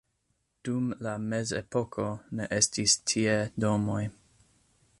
Dum la mezepoko ne estis tie domoj.